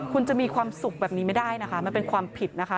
คุณจะมีความสุขแบบนี้ไม่ได้นะคะมันเป็นความผิดนะคะ